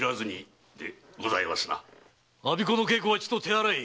我孫子の稽古はちと手荒い！